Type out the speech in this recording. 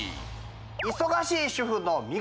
忙しい主婦の味方